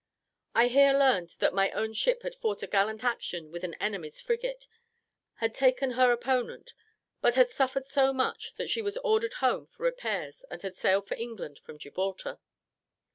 I here learned that my own ship had fought a gallant action with an enemy's frigate, had taken her opponent, but had suffered so much that she was ordered home for repairs, and had sailed for England from Gibraltar.